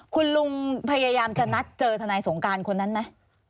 คุณลุงพยายามจะนัดเจอทนายสงการคนนั้นไหม